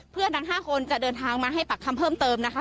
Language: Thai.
ทั้ง๕คนจะเดินทางมาให้ปากคำเพิ่มเติมนะคะ